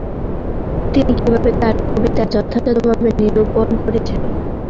তিনি কিভাবে তাঁর কবিতা যথাযথভাবে নিরূপন করেছেন।